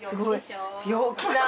陽気な。